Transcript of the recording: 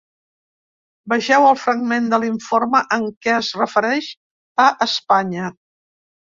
Vegeu el fragment de l’informe en què es refereix a Espanya.